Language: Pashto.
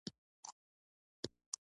د تبادلې لګښتونه له منځه ځي.